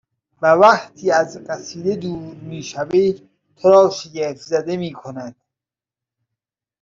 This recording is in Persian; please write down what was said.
و وقتی از قصیده دور می شوی تو را شگفتزده میکند